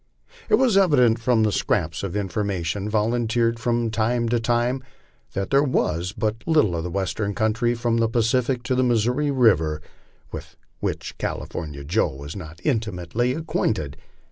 It was evident from the scraps of information volunteered from time to time, that there wa but little of the Western country from the Pacific to the Missouri river with which California Joe was not intimately acquainted.